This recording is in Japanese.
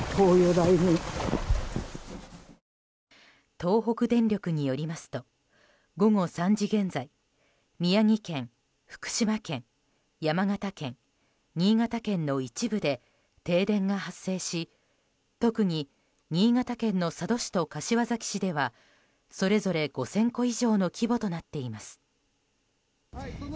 東北電力によりますと午後３時現在宮城県、福島県、山形県新潟県の一部で停電が発生し特に新潟県の佐渡市と柏崎市ではそれぞれ５０００戸以上の規模となっています。